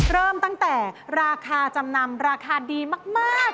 เริ่มตั้งแต่ราคาจำนำราคาดีมาก